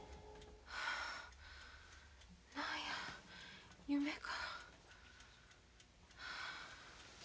何や夢か。